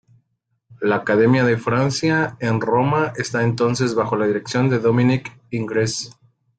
La Academia de Francia en Roma está entonces bajo la dirección de Dominique Ingres.